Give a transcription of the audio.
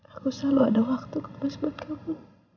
aku selalu ada waktu kembali sebab kamu